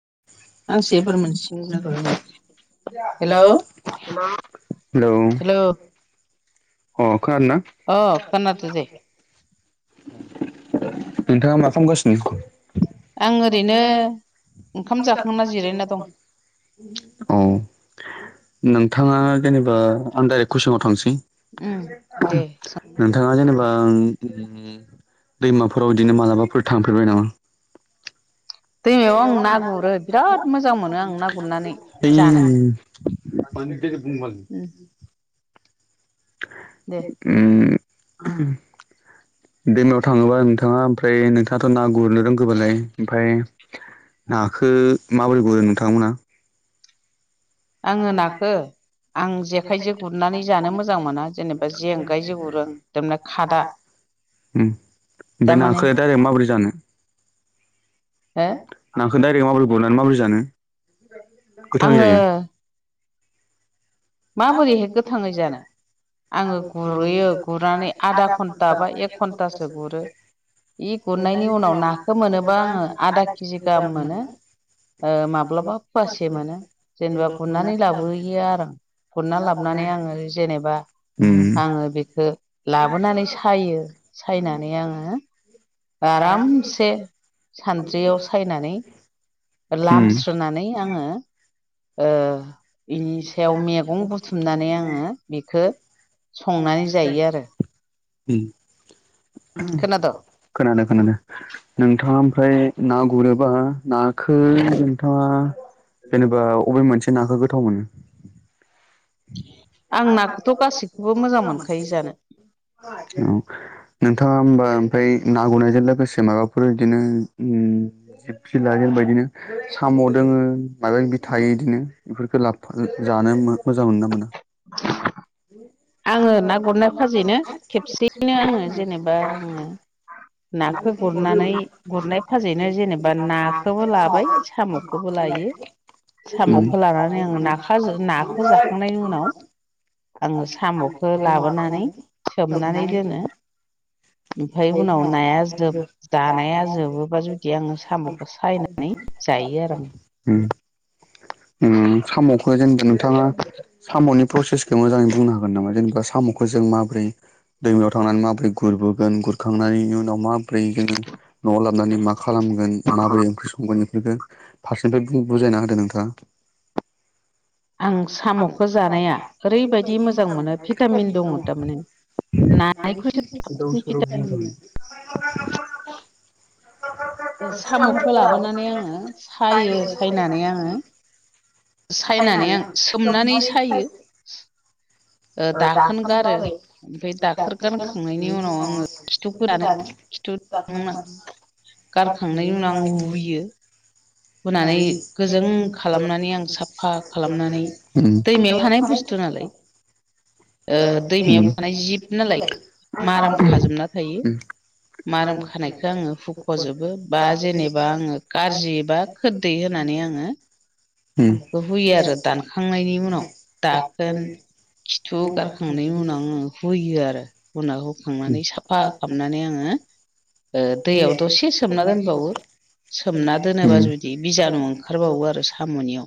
[unintelligible] Hello. Hello. अ खोनादो दे। नोंथाङा मा खालामगासिनो? ओंखाम जाखांना जिरायना दं औ। नोंथाङा जेनेबा आं दाइरेक्ट कुइसनाव थांसै नोंथाङा जेनेबा दैमाफोराव बिदिनो मालाबाफोराव थांफेरबाय नामा? [unintelligible] [unintelligible] उम्म दैमायाव थाङोबा नोंथाङा ओमफ्राय नोंथाङाथ ना गुरनो रोंगोबालाय ओमफाय नाखो माबोरै गुरो नोंथांमोना? आंङो नाखो आं जेखाइजों गुरनानै जानो मोजां मोना जेनेबा जेंगायजों गुरो दामाना खादा उम्म ओमफाय नाखोहाय डाइरेक्ट माबोरै जानो नाखो डाइरेक्ट माबोरै गुरनानै माबोरै जानो? गोथांङै जायो? माबोरैहाय गोथाङै जानो? आंङो गुरैयो गुरनानै आधा घन्टा बा एक घन्टासो गुरो। इ गुरनायनि उनाव नाखौ मोनोबा आंङो आधा केजि गाहाम मोनो। ओ माब्लाबा फुवासे मोनो जेनेबा गुरनानै लाबोयो आरो। गुरना लाबबोनानै आंङो जेनेबा आंङो बेखौ लाबोनानै सायो सायनानै आंङो आरामसे सानद्रियाव सायनानै लामस्रोनानै आंङो ओ बेनि सायाव मेगं बुथुमनानै आंङो बेखो संनानै जायो आरो। खोनादों खोनादों नोंथाङा ओमफ्राय ना गुरोबा नाखो नोंथाङा जेनेबा अबे मोनसे नाखो गोथाव मोनो आं नाखौथ गासिखौबो मोजां मोनखायो जानो। औ नोंथाङा होमबा ओमफ्राय ना गुरनाय जों लोगोसे माबाफोर बिदिनो उम्म जिब जिला बिदिनो साम' दोङो माबा माबि थायो इदिनो बेफोरखो लाबो फागो जानो मोजां मोनोना मोना? आंङो ना गुरनाय फाजिनो खेबसेयैनो आंङो जेनेबा आंङो नाखौ गुरनानै गुरनाय फाजैनो जेनेबा नाखौबो लाबाय साम'खौबो ला उम्म। साम'खौ लाबोनानै सोमनानै दोनो। ओमफाय उनाव जानाया [inaudible] [inaudible] उम्म सामखौ जेनेबा नों थाङा साम'नि प्रसेस बुंनो हागोन नामा जेनेबा साम'खौ जों माबोरै दैमायाव थांनानै माबोरै गुरबोगोन गुरखांनायनि उनाव मा ब्रै जोङो न'आव लाबोनानै मा खालामगोन माबोरै ओंख्रि संगोन? बेखौ फारसेनिफ्राय बुं बुजायना होदो नोंथाङा। आं साम'खो जानाया ओरैबायदि मोजां मोनो भिटामिन दङ थारमाने। [inaudible] ओ साम'खौ लाबोनानै आंङो सायो सायनानै आंङो सायनानै आं सोमनानै सायो। ओ दाखोन गारो [inaudible] [unintelligible] गारखांनायनि उनाव आं हुयो। हुनानै गोजों खालामनानै आं साफा खालामनानै दैमायाव थानाय बु [unintelligible] नालाय ओ दैमायाव थानाय जिब नालाय माराम खाजोबना थायो। मारोम खानायखो आङो हुख'जोबो बा जेनेबा आङो कारजि एबा खोददै होनानै आङो हुयो आरो दानखांनायनि उनाव दाखोन थु गारखांनायनि उनाव हुयो आरो उनाव हुखांनानै साफा खामनानै आङो ओ दैयाव दसे सोमना दोनबावो। सोमना दोनोबा जुदि बिजानु ओंखारबावो आरो साम'नियाव।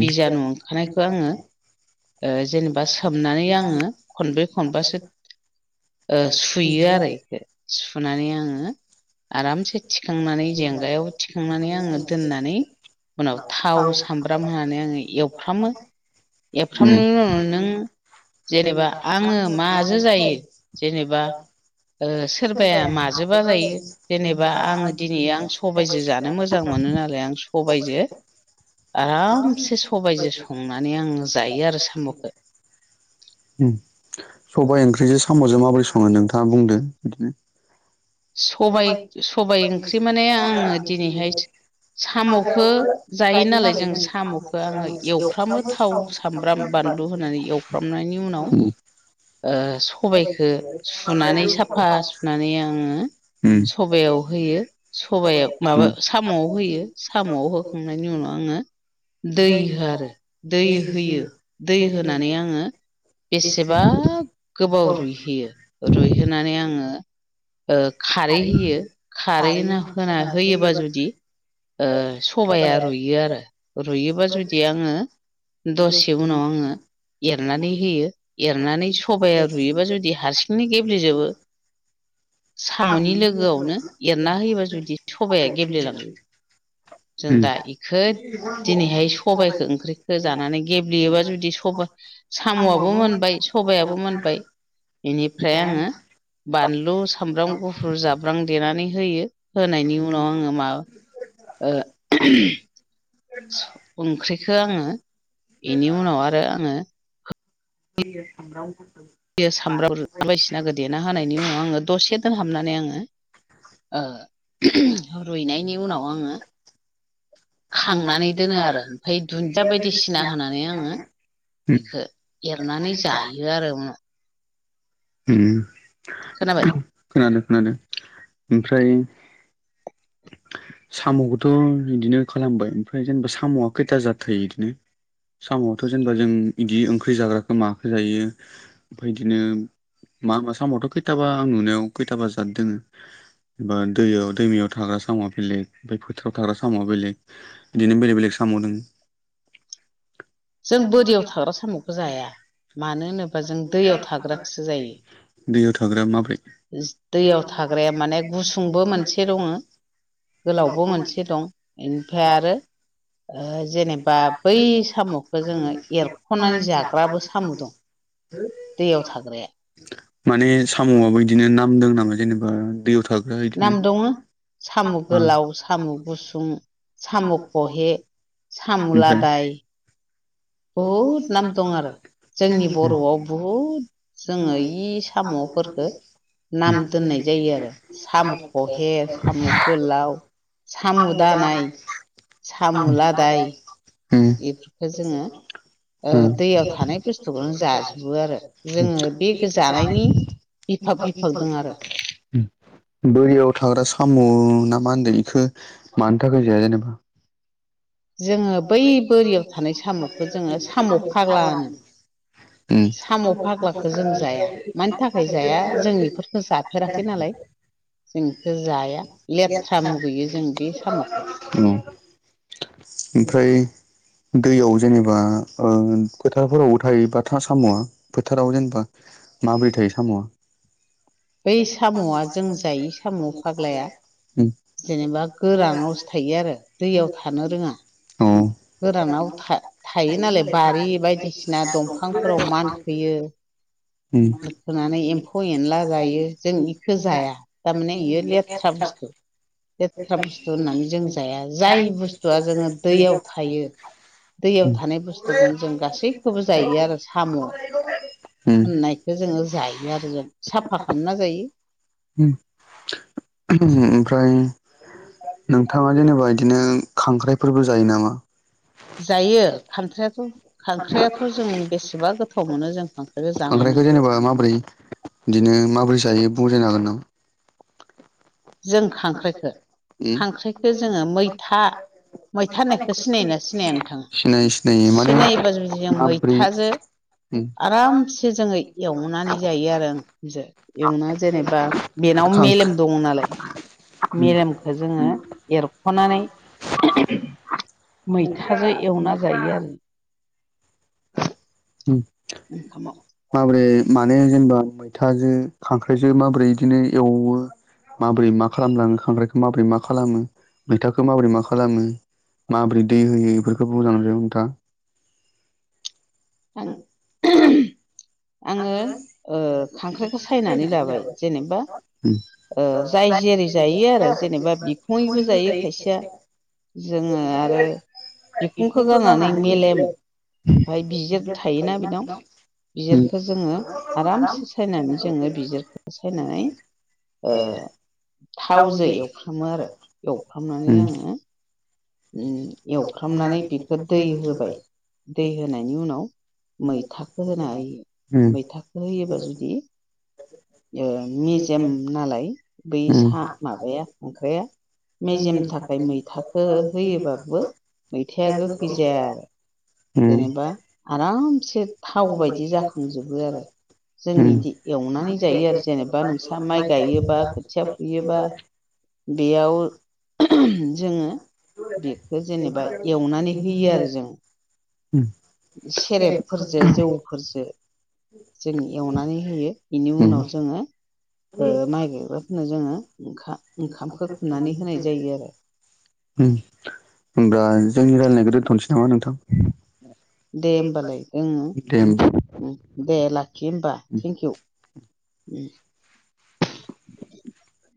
बिजानु ओंखारनायखौ आङो ओ जेनेबा सोमनानै आङो खनब्रै खनबासो ओ सुयो आरो इखो सुनानै आङो आरामसे थिखांनानै जेंगायाव थिखांनानै आङो दोननानै उनाव थाव सामब्राम होनानै आङो एवफ्रामो एवफ्राम [unintelligible] नों जेनेबा आङो माजो जायो जेनेबा ओ सोरबाया माजोबा जायो जेनेबा आङो दिनै आं सबाइजो जानो मोजां मो नो नालाय आं सबायजो आरामसे सबायजो संनानै आं जायो आरो साम'खो। उम। सबाय ओंख्रिजो साम'जो माबोरै सङो नोंथाङा बुंदो बिदिनो‌ सबाय सबाय ओंख्रि माने आङो दिनैहाय साम'खो जा यो नालाय जों साम'खो आङो एवफ्रामो थाव सामब्राम बानलु होनानै एवफ्रामनायनि उ उम। ओ सबायखो सुनानै साफा सुनानै आङो सबायाव होयो सबायाव माबा साम'आव होयो साम'आव होखांनायनि उनाव आङो दै होआ आरो दै होयो दै होनानै आङो बेसेबा गोबाव रुइहोयो रुइहोनानै आङो ओ खारै होयो खारै होना होयोबा जुदि ओ सबाया रुयो आरो रुयोबा जुदि आङो दसे उनाव आङो एरनानै होयो एरनानै सबाया रुयोबा जुदि हारसिंनो गेब्लेजोबो। साम'नि लोगोआवनो एरना होयोबा जुदि सबाया गेब्लेलाङो। जों दा इखो दिनैहाय सबायखो ओंख्रिखो जानानै गेब्लेयोबा जुदि स साम'आबो मोनबाय सबायाबो मोनबाय। बेनिफ्राय आङो बानलु सामब्राम गुफुर जाब्रां देनानै होयो। होनायनि उनाव आङो मा ओ [unintelligible] ओंख्रिखो आङो इनि उनाव आरो आङो [unintelligible] [unintelligible] सामब्राम बायदिसिनाखौ देना होनायनि उनाव आङो दसे दोनहाबनानै आङो ओ [unintelligible] रुइनायनि उनाव आङो खांनानै दोनो आरो ओमफाय दुन्दिया बायदिसिना होनानै आङो बेखो एरनानै जायो आरो उनाव उम खोनादों खोनादों। ओमफ्राय साम'खौथ' बिदिनो खालामबाय ओमफ्राय जेनेबा साम'आ खैथा जाथ थायो इदिनो साम'थ' जेनेबा जों इदि [unintelligible] [unintelligible] जाग्राखो माखो जायो ओमफाय इदिनो मा मा साम'आथ' खैथाबा आं नुनायाव खैथाबा जाद दोङो। बा दैयाव दैमायाव थाग्रा साम'आ बेलेग ओमफाय फोथाराव थाग्रा साम'आ बेलेग बिदिनो बेलेग बेलेग साम दोङो। [inaudible] जों बोरियाव थाग्रा साम'खौ जाया मानो होनोबा जों दैयाव थाग्राखौसो जायो जायो दैयाव थाग्रा माबोरै दैयाव थाग्राया माने गुसुंबो मोनसे दङ गोलावबो मोनसे दं इनिफ्राय आरो जेनेबा बै साम'खौ जोङो एरख'नानै जाग्राबो साम' दं [inaudible] माने साम'आबो बिदिनो नाम दं नामा जेनेबा दैयाव थाखो थाग्रा इदिनो साम खहे साम लादाय बहुद नाम दं आरो जोंनि बर'आव बहुद जोङो इ साम'फोरफोरखो नाम दोननाय जायो आरो साम' खहे साम' गोलाव साम' दानाय सामु लादाय बेफोरखौ जोङो जायो बोरियाव थाग्रा साम' अ ना मा होनदों बेखौ मानो थाखाय जाया जेनेबा जोङो बै बोरियाव थानाय साम'खौ जोङो साम' फाग्लानो साम' फाग्लाखौ जों जाया मानि थाखाय जाया जों इफोरखौ जाफेराखै नालाय जोंखौ जाया लेथ्रा मुगैयो जों बे साम'खौ ओमफ्राय दैयाव जेनेबा फोथारफोराव थायोबाथा साम'आ फोथाराव जेनेबा माबोरै थायो साम'आ बै साम'आ जों जायै साम' फाग्लाया जेनेबा गोराङावसो थायो आरो दैयाव थानो रोङा गोरानाव था-थायो यो नालाय बारि बायदिसिना दंफांफोराव मानखोयो खोनानै एम्फौ एनला जायो जों इखौ जाया थारमाने बियो लेथ्रा बुस्थु [inaudible] लेथ्रा बुस्थु होननानै जों जाया जाय बुस्थुआ जोङो दैयाव थायो दैयाव थानाय बुस्थुखौ जों गासैखौबो जायो आरो साम' बे जोङो जायो आरो जों साफा खालामना जायो ओमफ्राय नोंथाङा जेनेबा बिदिनो खांख्राइफोरबो जायो नामा जायो खांख्राइखौ खांख्रायखौ जेनबा माबोरै बिदिनो माबोरै जायो बुंजायनो हागोन नामा जों खांख्राइखौ खांख्राइखौ जोङो मैथा मैथा होननायखौ सिनायोना सिनाया‌ नोंथाङा सिनायोबा जुदि जों मैथाजों आरामसे जोङो एवनानै जायो आरो एवना जेनेबा बेनाव मेलेम दङ नालाय मेलेमखौ जोङो एरख'नानै मैथाजों एवना जायो आरो माबोरै माने जेनेबा मैथाजों खांख्राइजों माबोरै इदिनो एवो माबोरै मा खालामलाङो खांख्राइखौ माबोरै मा खालामो मैथाखौ माबोरै मा खालामो माबोरै दै होयो बेफोरखौ बुंनानै नोंथां आं आङो ओ खांख्राइखौ सायनानै लाबाय जेनेबा ओ जाय जेरै जायो आरो जेनेबा बिखङैबो जायो खायसेया। जोङो आरो बिखंखौ गारनानै मेलेम ओमफ्राय बिजोब थायोना बेनाव बिजिरखौ जोङो आरामसे सायनानै जोङो बिजिरखौ सायनानै ओ थावजों एवफ्रामो आरो एवफ्रामनानै आङो ओम एवफ्रामनानै बेखौ दै होबाय दै होनायनि उनाव मैथाखो होनो होायो मैथाखो होयोबा जुदि ओ मेजेम नालाय बै सा माबाया खांख्राइया मेजेमनि थाखाय मैथाखो होयोबाबो मैथाया गोखै जाया आरो। जेनेबा आरामसे थाव बायदि जाखांजोबो आरो। जोंनि इदि एवनानै जायो आरो जेनेबा नोंस्रा माइ गायोबा खोथिया फुयोबा [unintelligible] जोङो बेखौ जेनेबा एवनानै होयो आरो जों। सेरेबफोरजों जौफोरजों जों एवनानै होयो बेनि उनाव जोङो ओ माइ गायग्राफोरनो जोङो ओंखा ओंखामखो खुरना होनाय जायो आरो। ओम होनबा जोंनि रायजलायनायखौ दोन्थ'नोसै नामा नोंथां? दे होमबालाय ओं दे लाखि होमबा थेंकिउ। [unintelligible]